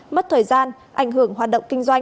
mất thời gian ảnh hưởng hoạt động kinh doanh